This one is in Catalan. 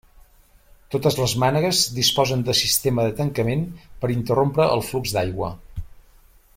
Totes les mànegues disposen de sistema de tancament per interrompre el flux d'aigua.